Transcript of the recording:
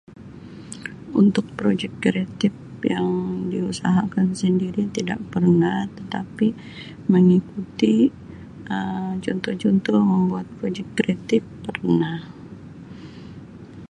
Untuk projek kreatif yang diusahakan sendiri tidak pernah tetapi mengikuti Um contoh-contoh membuat projek kreatif pernah.